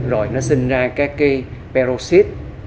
rồi nó sinh ra các cái peroxid